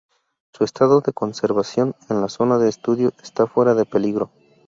Su estado de conservación en la zona de estudio está fuera de peligro.